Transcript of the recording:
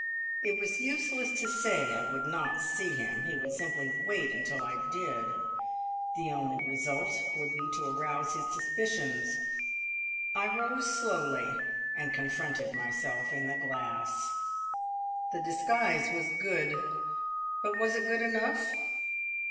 It was useless to say I would not see him. He would simply wait until I did. The only result would be to arouse his suspicions. I rose slowly and confronted myself in the glass. The disguise was good, but was it good enough?